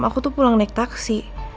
aku tuh pulang naik taksi